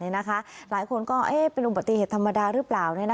หลายคนก็เป็นอุบัติเหตุธรรมดาหรือเปล่า